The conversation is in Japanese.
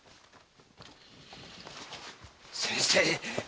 先生！